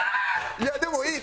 いやでもいい！